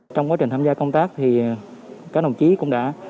trong quá trình tham gia công tác thì các đồng chí cũng đã